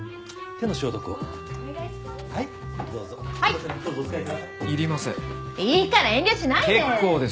いいから遠慮しないで！